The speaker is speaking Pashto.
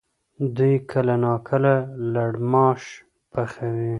دوی کله ناکله لړماش پخوي؟